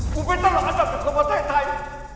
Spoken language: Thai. ผมเป็นตลกอาจจะเป็นคนประเทศไทย